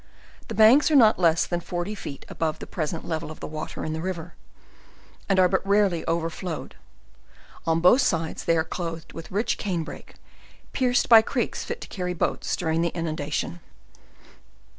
The banks are not less than forty feet above the present level of the wa ter in the river, and are but rarely overflowed; on both sides they are clothed with rich cane brake, pierced by creeks fit to carry boats during the inundation.